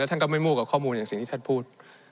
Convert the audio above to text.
ท่านก็ไม่มั่วกับข้อมูลอย่างสิ่งที่ท่านพูด